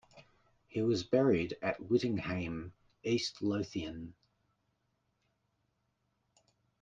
He was buried at Whittinghame, East Lothian.